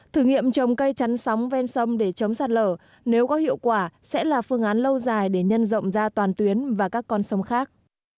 thử nghiệm trồng cây chắn sóng ven sông để chống sạt lở nếu có hiệu quả sẽ là phương án lâu dài để nhân rộng ra toàn tuyến và các con sông khác